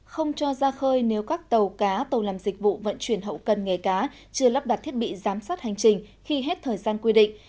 không cho ra khơi nếu các tàu cá tàu làm dịch vụ vận chuyển hậu cần nghề cá chưa lắp đặt thiết bị giám sát hành trình khi hết thời gian quy định